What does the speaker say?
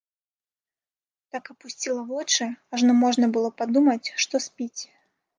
Так апусціла вочы, ажно можна было падумаць, што спіць.